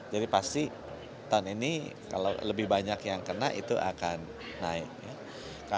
jadi pasti tahun ini kalau lebih banyak yang kena itu akan naik